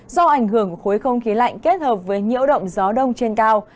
do ảnh hưởng của khối không khí lạnh kết hợp với nhiễu động gió đông trên cao